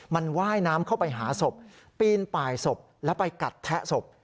มันว่ายน้ำเข้าไปหาศพปีนป่ายศพแล้วไปกัดแทะศพ